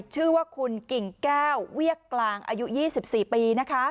ชื่อว่าคุณกิ่งแก้วเวียกกลางอายุ๒๔ปี